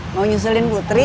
mau nyusulin putri ya